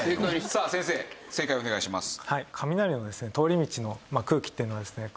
さあ先生正解をお願いします。